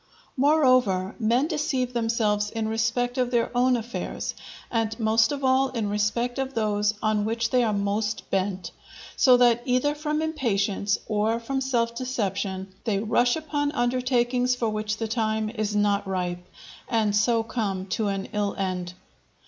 Moreover, men deceive themselves in respect of their own affairs, and most of all in respect of those on which they are most bent; so that either from impatience or from self deception, they rush upon undertakings for which the time is not ripe, and so come to an ill end.